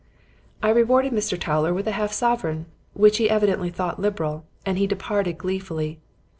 "I rewarded Mr. Towler with half a sovereign, which he evidently thought liberal, and he departed gleefully.